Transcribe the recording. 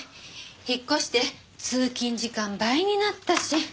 引っ越して通勤時間倍になったし。